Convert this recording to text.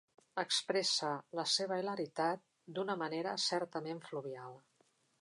Expressa la seva hilaritat d'una manera certament fluvial.